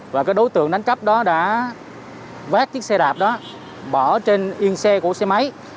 và cái đối tượng đánh cắp đó đã vác chiếc xe đạp đó bỏ trên yên xe của xe máy